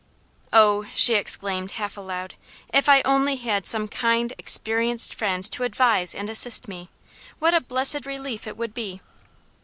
"Oh!" she exclaimed half aloud, "if I only had some kind, experienced friend to advise and assist me, what a blessed relief it would be!"